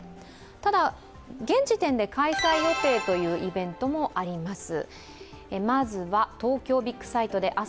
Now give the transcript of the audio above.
ただ、現時点で開催予定というイベントもあります。